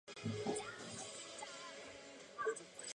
这么做是为了避免负号的产生。